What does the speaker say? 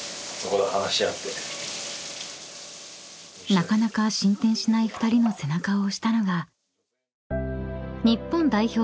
［なかなか進展しない２人の背中を押したのが］